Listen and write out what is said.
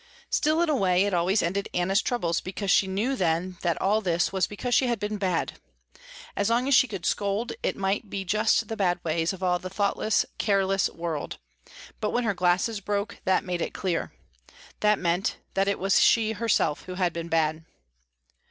Still in a way it always ended Anna's troubles, because she knew then that all this was because she had been bad. As long as she could scold it might be just the bad ways of all the thoughtless careless world, but when her glasses broke that made it clear. That meant that it was she herself who had been bad.